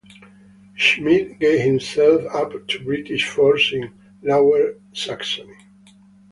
Schmidt gave himself up to British forces in Lower Saxony.